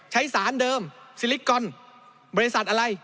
ใช้สารเดิมซิลิกรบริษัทอะไร